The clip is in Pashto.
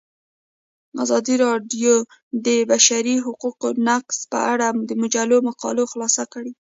ازادي راډیو د د بشري حقونو نقض په اړه د مجلو مقالو خلاصه کړې.